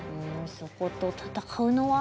そこと戦うのは？